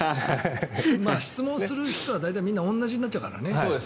質問する人は大体同じになっちゃうからね。